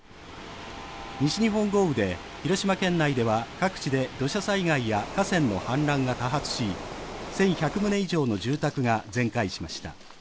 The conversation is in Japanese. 西日本豪雨で広島県内では各地で土砂災害や河川の氾濫が多発し、１１００棟以上の住宅が全壊しました。